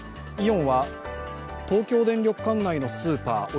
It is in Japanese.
イオンは東京電力管内のスーパー